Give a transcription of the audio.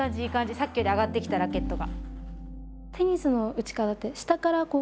さっきより上がってきたラケットが。